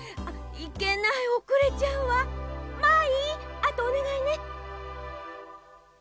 あとおねがいね！